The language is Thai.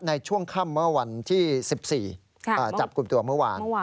ในช่วงค่ำเมื่อวันที่๑๔จับกลุ่มตัวเมื่อวาน